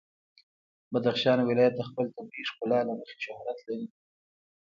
بدخشان ولایت د خپل طبیعي ښکلا له مخې شهرت لري.